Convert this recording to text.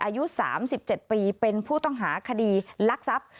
อายุ๓๗ปีเป็นผู้ต้องหาคดีลักทรัพย์